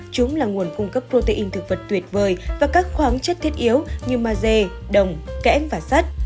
chúng là nguồn cung cấp protein thực vật tuyệt vời và các khoáng chất thiết yếu như ma dê đồng kẽm và sắt